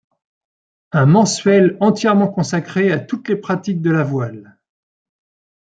Un mensuel entièrement consacré à toutes les pratiques de la voile.